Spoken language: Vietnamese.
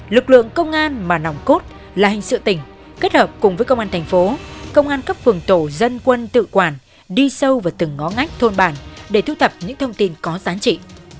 lực lượng công an mà nòng cốt là hình sự tỉnh kết hợp cùng với công an thành phố công an cấp phường tổ dân quân tự quản đi sâu vào từng ngó ngách thôn bản để thu thập những thông tin có giá trị